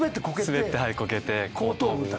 滑ってこけて後頭部打って。